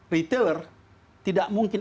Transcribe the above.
retailer tidak mungkin